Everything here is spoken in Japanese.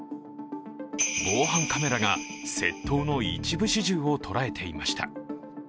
防犯カメラが窃盗の一部始終を捉えていました。